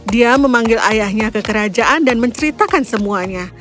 dia memanggil ayahnya ke kerajaan dan menceritakan semuanya